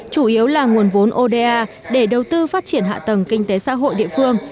chủ yếu là nguồn vốn oda để đầu tư phát triển hạ tầng kinh tế xã hội địa phương